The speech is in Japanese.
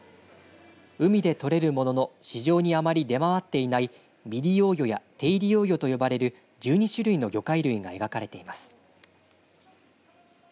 海で取れるものの市場にあまり出回っていない未利用魚や低利用魚と呼ばれる１２種類の魚介類が描かれています。